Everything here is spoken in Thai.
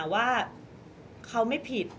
ว่าเขาไม่ผิด